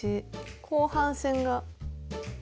後半戦が。